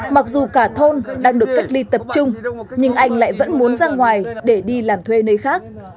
mặc dù cả thôn đang được cách ly tập trung nhưng anh lại vẫn muốn ra ngoài để đi làm thuê nơi khác